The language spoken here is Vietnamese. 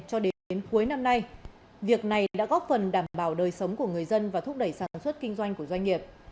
cho đến cuối năm nay việc này đã góp phần đảm bảo đời sống của người dân và thúc đẩy sản xuất kinh doanh của doanh nghiệp